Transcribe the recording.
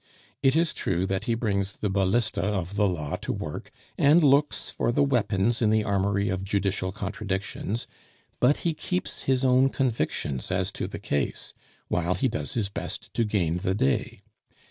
It is true that he brings the balista of the law to work, and looks for the weapons in the armory of judicial contradictions, but he keeps his own convictions as to the case, while he does his best to gain the day.